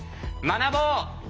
学ぼう！